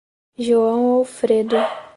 João Alfredo